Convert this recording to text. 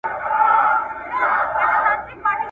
اوس به څه کوو ملګرو په ایمان اعتبار نسته `